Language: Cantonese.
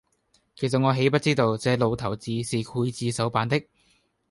其實我豈不知道這老頭子是劊子手扮的！